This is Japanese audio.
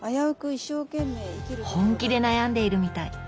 本気で悩んでいるみたい。